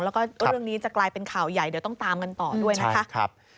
แล้วก็เรื่องนี้จะกลายเป็นข่าวใหญ่เดี๋ยวต้องตามกันต่อด้วยนะคะ